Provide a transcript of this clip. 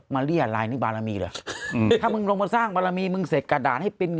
มันเรียนอะไรนี่บารมีเหรอถ้ามึงลงมาสร้างบารมีมึงเสกกระดาษให้เป็นเงิน